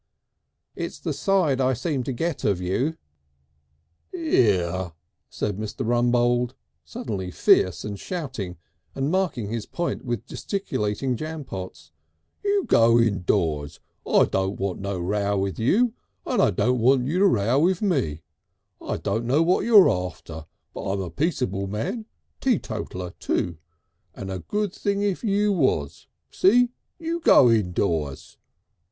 "It's the side I seem to get of you." "'Ere," said Mr. Rumbold, suddenly fierce and shouting and marking his point with gesticulated jampots, "you go indoors. I don't want no row with you, and I don't want you to row with me. I don't know what you're after, but I'm a peaceable man teetotaller, too, and a good thing if you was. See? You go indoors!"